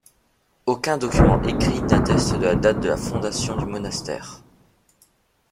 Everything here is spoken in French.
Aucun document écrit n'atteste de la date de la fondation du monastère.